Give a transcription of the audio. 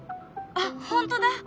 あっ本当だ！